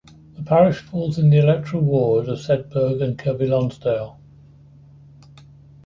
The parish falls in the electoral ward of Sedbergh and Kirkby Lonsdale.